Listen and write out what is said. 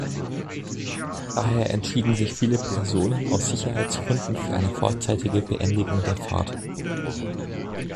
Daher entschieden sich viele Personen aus Sicherheitsgründen für eine vorzeitige Beendigung der Fahrt.